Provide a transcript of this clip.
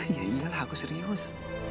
ya ya aku serius